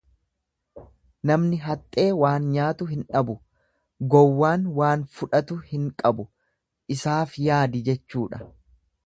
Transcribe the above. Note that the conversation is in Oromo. Namni haxxee waan nyaatu hin dhabu, gowwaan waan fudhatu hin qabu isaaf yaadi jechuudha.